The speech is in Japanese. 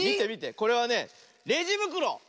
これはねレジぶくろ！